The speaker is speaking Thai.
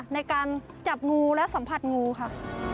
ในการจับงูและสัมผัสงูค่ะ